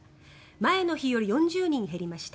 前の日より４０人減りました。